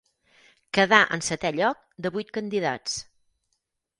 Quedà en setè lloc de vuit candidats.